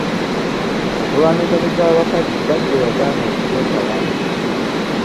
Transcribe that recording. Okulwana entalo z'abakazi baggya yagaana okukwetabamu.